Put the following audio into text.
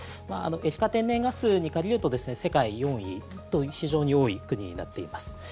液化天然ガスに限ると世界４位と非常に多い国になっています。